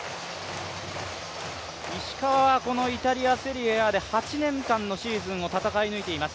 石川はこのイタリアセリエＡで８年間のシーズンを戦い抜いています。